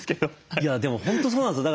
いやでも本当そうなんですよ。